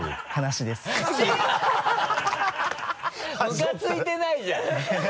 ムカついてないじゃん